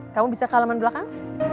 kamu bisa ke alaman belakang